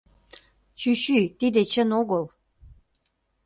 — Чӱчӱ, тиде чын огыл.